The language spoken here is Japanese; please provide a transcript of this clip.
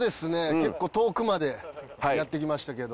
結構遠くまでやって来ましたけど。